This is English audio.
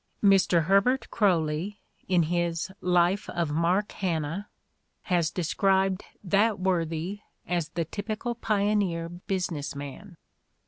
Mr. Herbert Croly, in his life of Mark Hanna, has described that worthy as the typical pioneer business man.